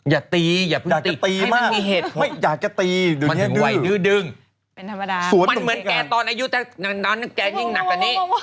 อย่าตีอย่าเพิ่งติดให้มันมีเหตุควรมันถึงไหวดื้อดึงมันเหมือนแกตอนอายุแบบนั้นแกยิ่งหนักกว่านี้